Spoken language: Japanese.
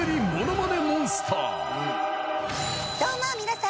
「どうも皆さん。